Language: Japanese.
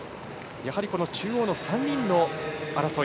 やはり中央の３人の争い。